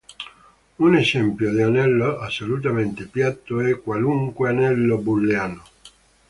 Un esempio di anello assolutamente piatto è qualunque anello booleano.